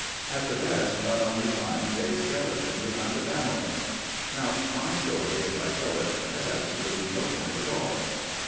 At the best one only finds a skeleton behind the panelling. Now my story, if I tell it, has absolutely no point at all."